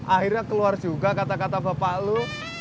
akhirnya keluar juga kata kata bapak lu